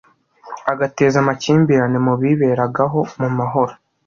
agateza amakimbirane mu biberagaho mu mahoro.